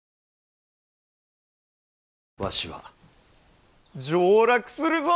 わしは上洛するぞ！